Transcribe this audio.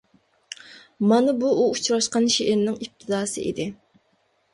مانا بۇ ئۇ ئۇچراشقان شېئىرنىڭ ئىپتىداسى ئىدى.